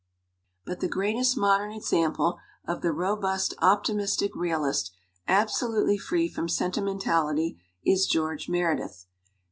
"But the greatest modern example of the robust optimistic realist, absolutely free from senti mentality, is George Meredith.